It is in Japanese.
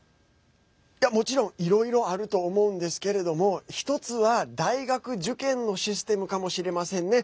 もちろん、いろいろあると思うんですけれども１つは大学受験のシステムかもしれませんね。